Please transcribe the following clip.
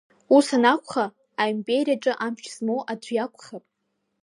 Ус анакәха, аимпериаҿы амч змоу аӡә иакәхап…